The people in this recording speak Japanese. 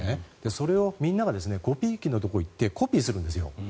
それをみんながコピー機のところに行ってコピーするんですよ。